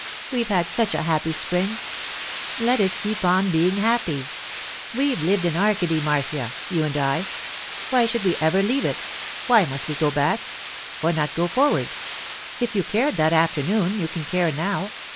We've had such a happy spring—let it keep on being happy. We've lived in Arcady, Marcia—you and I. Why should we ever leave it? Why must we go back—why not go forward? If you cared that afternoon, you can care now.